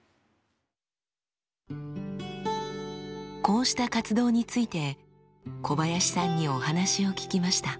こうした活動について小林さんにお話を聞きました。